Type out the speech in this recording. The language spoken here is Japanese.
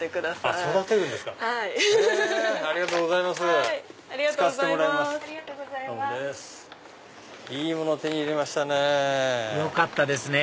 いいもの手に入れましたね！